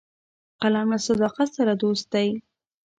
قلم له صداقت سره دوست دی